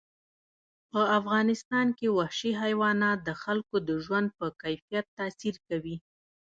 په افغانستان کې وحشي حیوانات د خلکو د ژوند په کیفیت تاثیر کوي.